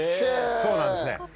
そうなんです。